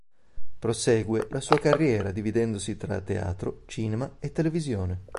Prosegue la sua carriera dividendosi tra teatro, cinema e televisione.